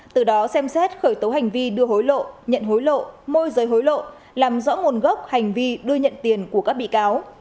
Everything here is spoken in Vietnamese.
từ đó xem xét khởi tố hành vi đưa hối lộ nhận hối lộ môi giới hối lộ làm rõ nguồn gốc hành vi đưa nhận tiền của các bị cáo